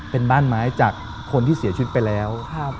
เป็นบ้านไม้จากคนที่เสียชีวิตไปแล้ว